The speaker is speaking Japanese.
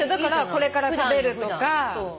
これから食べる？